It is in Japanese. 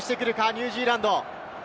ニュージーランド。